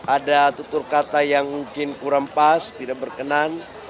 ada tutur kata yang mungkin kurang pas tidak berkenan